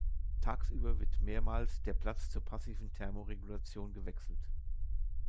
Tagsüber wird mehrmals der Platz zur passiven Thermoregulation gewechselt.